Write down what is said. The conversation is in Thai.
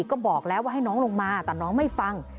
ก็บอกแล้วว่าให้น้องลงมาแต่น้องไม่ฟัง